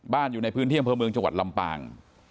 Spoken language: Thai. บ้านอยู่ในพื้นเที่ยงบ้านเมืองจังหวัดลำปาง